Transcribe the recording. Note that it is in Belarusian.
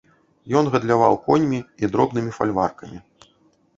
Ён гандляваў коньмі і дробнымі фальваркамі.